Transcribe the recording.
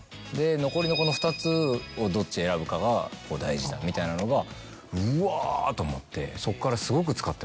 残りの２つをどっち選ぶかが大事だみたいなのがうわ！と思ってそっから。